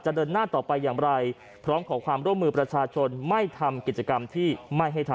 เดินหน้าต่อไปอย่างไรพร้อมขอความร่วมมือประชาชนไม่ทำกิจกรรมที่ไม่ให้ทำ